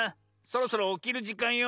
そろそろおきるじかんよ。